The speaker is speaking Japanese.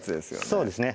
そうですね